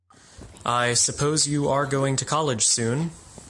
I suppose you are going to college soon?